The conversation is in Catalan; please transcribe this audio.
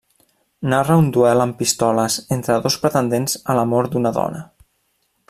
Narra un duel amb pistoles entre dos pretendents a l'amor d'una dona.